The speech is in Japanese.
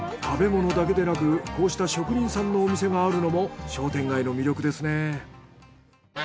食べ物だけでなくこうした職人さんのお店があるのも商店街の魅力ですね。